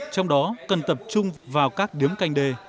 trong đó cần tập trung vào các điếm canh đê